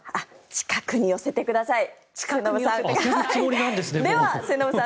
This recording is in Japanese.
近くに寄せてください。